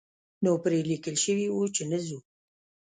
نو پرې لیکل شوي وو چې نه ځو.